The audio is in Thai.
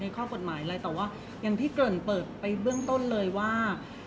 ข้อกฎหมายอะไรแต่ว่าอย่างที่เกริ่นเปิดไปเบื้องต้นเลยว่า